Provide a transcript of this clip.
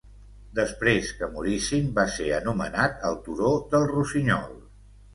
Després que morissin va ser anomenat el turó del rossinyol.